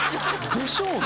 でしょうね。